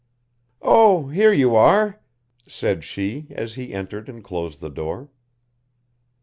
"Oh, here you are," said she as he entered and closed the door.